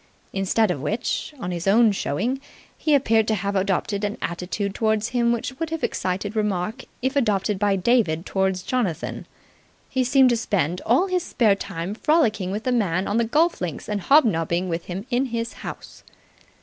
Instead of which, on his own showing, he appeared to have adopted an attitude towards him which would have excited remark if adopted by David towards Jonathan. He seemed to spend all his spare time frolicking with the man on the golf links and hobnobbing with him in his house.